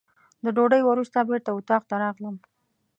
د ډوډۍ وروسته بېرته اتاق ته راغلم.